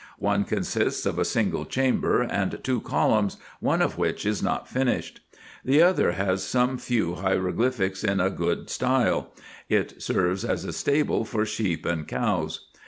One consists of a single chamber, and two columns, one of which is not finished. The other has some few hieroglyphics in a good style : it serves as a stable for sheep and cows.